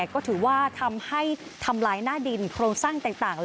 ก็ถือว่าทำให้ทำลายหน้าดินโครงสร้างต่าง